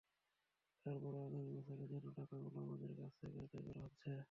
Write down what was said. তারপরও আগামী বছরের জন্য টাকাগুলো আমাদের কাছ থেকে আদায় করা হচ্ছে।